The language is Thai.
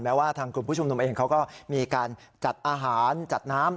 ว่าทางกลุ่มผู้ชุมนุมเองเขาก็มีการจัดอาหารจัดน้ำ